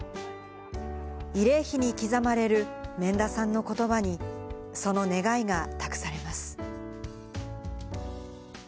慰霊碑に刻まれる免田さんのことばに、その願いが託されます。